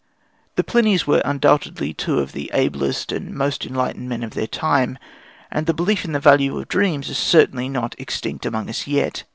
The Plinies were undoubtedly two of the ablest and most enlightened men of their time; and the belief in the value of dreams is certainly not extinct among us yet.